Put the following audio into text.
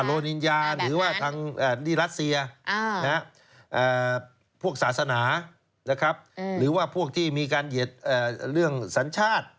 โลนินยาหรือว่าทางที่รัสเซียพวกศาสนาหรือว่าพวกที่มีการเหยียดเรื่องสัญชาติ